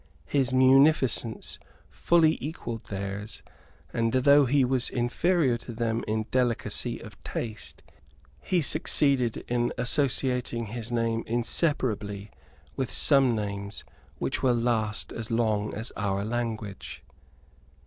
His munificence fully equalled theirs; and, though he was inferior to them in delicacy of taste, he succeeded in associating his name inseparably with some names which will last as long as our language.